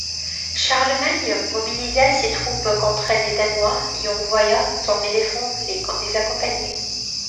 Charlemagne mobilisa ses troupes contre les Danois et envoya son éléphant les accompagner.